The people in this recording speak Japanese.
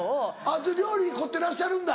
料理に凝ってらっしゃるんだ。